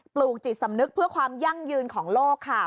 ลูกจิตสำนึกเพื่อความยั่งยืนของโลกค่ะ